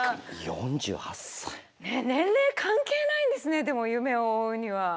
年齢関係ないんですねでも夢を追うには。